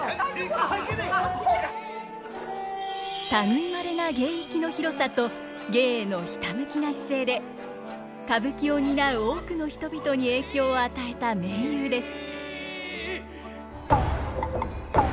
類いまれな芸域の広さと芸へのひたむきな姿勢で歌舞伎を担う多くの人々に影響を与えた名優です。